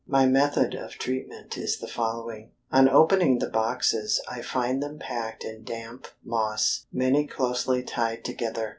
My method of treatment is the following: On opening the boxes I find them packed in damp moss, many closely tied together.